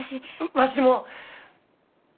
わしも！